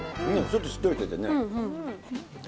ちょっとしっとりしててね。